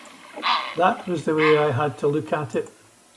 That was the way I had to look at it.